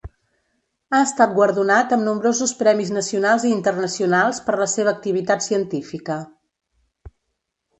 Ha estat guardonat amb nombrosos premis nacionals i internacionals per la seva activitat científica.